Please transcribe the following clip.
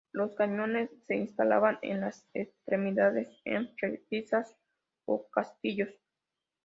Los cañones se instalaban en las extremidades, en repisas o castillos.